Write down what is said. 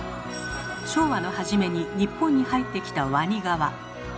昭和の初めに日本に入ってきたワニ革。